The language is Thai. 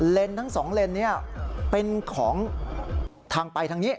ทั้งสองเลนนี้เป็นของทางไปทางนี้